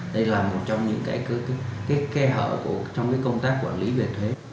đây là một trong những cái kế hợ trong công tác quản lý về thuế